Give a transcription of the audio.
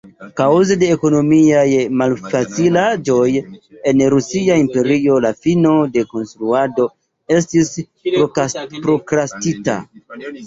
Kaŭze de ekonomiaj malfacilaĵoj en Rusia Imperio la fino de konstruado estis prokrastita.